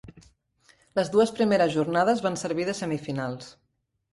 Les dues primeres jornades van servir de semifinals.